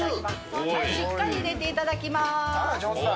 しっかり入れていただきます。